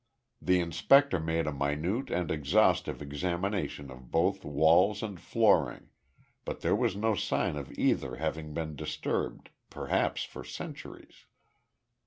The inspector made a minute and exhaustive examination of both walls and flooring, but there was no sign of either having been disturbed, perhaps for centuries.